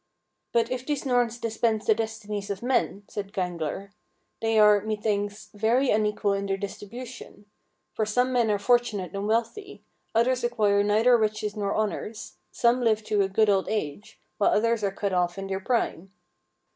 "But if these Norns dispense the destinies of men," said Gangler, "they are, methinks, very unequal in their distribution; for some men are fortunate and wealthy, others acquire neither riches nor honours, some live to a good old age, while others are cut off in their prime."